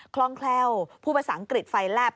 คล่องแคล่วพูดภาษาอังกฤษไฟแลบ